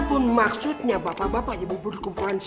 ada pun maksudnya bapak bapak ibu ibu dikumpulkan disini